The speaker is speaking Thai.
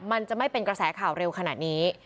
มันจะไม่เป็นกระแสข่าวเร็วขนาดนี้